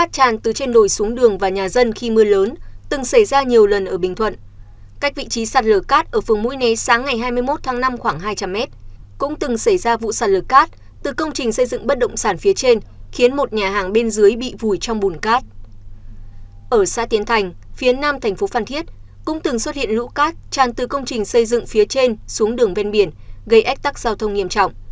các bạn hãy đăng ký kênh để ủng hộ kênh của chúng mình nhé